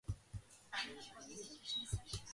კუდი არ აქვს.